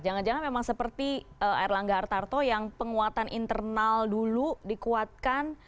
jangan jangan memang seperti erlangga hartarto yang penguatan internal dulu dikuatkan